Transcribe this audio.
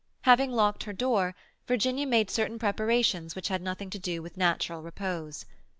Having locked her door, Virginia made certain preparations which had nothing to do with natural repose.